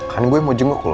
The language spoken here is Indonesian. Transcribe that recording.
kan gue mau jenguk lo